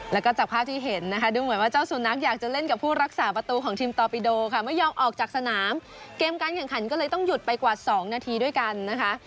แล้วก็จากภาพที่เห็นนะคะดูเหมือนว่าเจ้าสุนัขอยากจะเล่นกับผู้รักษาประตูของทีมตอปิโดค่ะไม่ยอมออกจากสนามเกมการแข่งขันก็เลยต้องหยุดไปกว่า๒นาทีด้วยกันนะคะ